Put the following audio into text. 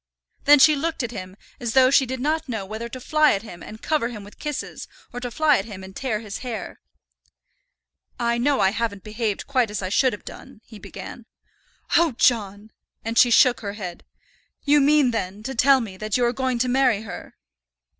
Then she looked at him as though she did not know whether to fly at him and cover him with kisses, or to fly at him and tear his hair. "I know I haven't behaved quite as I should have done," he began. "Oh, John!" and she shook her head. "You mean, then, to tell me that you are going to marry her?"